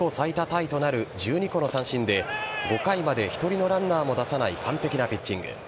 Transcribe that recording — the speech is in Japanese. タイとなる１２個の三振で５回まで１人のランナーも出さない完璧なピッチング。